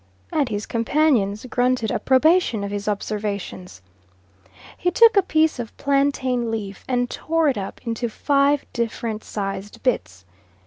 and his companions grunted approbation of his observations. He took a piece of plantain leaf and tore it up into five different sized bits.